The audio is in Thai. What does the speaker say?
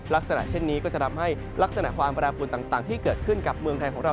ลักษณะเช่นนี้ก็จะทำให้ลักษณะความแปรปวนต่างที่เกิดขึ้นกับเมืองไทยของเรา